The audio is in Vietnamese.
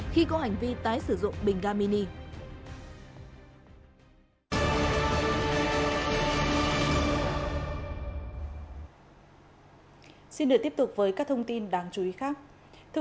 khi có hành vi tái sử dụng bình ga mini